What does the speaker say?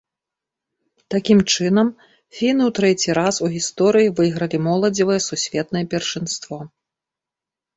Такім чынам, фіны ў трэці раз у гісторыі выйгралі моладзевае сусветнае першынство.